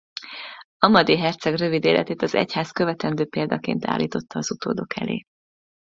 Amadé herceg rövid életét az egyház követendő példaként állította az utódok elé.